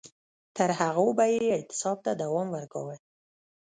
تر هغو به یې اعتصاب ته دوام ورکاوه.